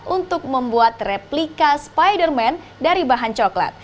untuk membuat replika spider man dari bahan coklat